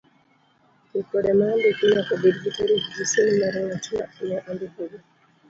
Ripode maondiki, nyaka bed gi tarik gi sei mar ng'atma ne ondikogi.